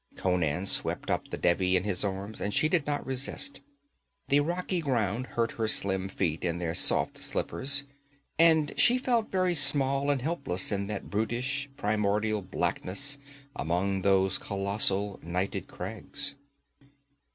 Conan swept up the Devi in his arms, and she did not resist. The rocky ground hurt her slim feet in their soft slippers and she felt very small and helpless in that brutish, primordial blackness among those colossal, nighted crags.